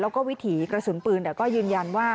แล้วก็วิถีกระสุนปืนแต่ก็ยืนยันว่า